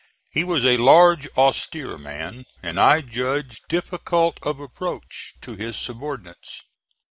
He was a large, austere man, and I judge difficult of approach to his subordinates.